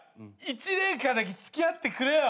一年間だけ付き合ってくれよ。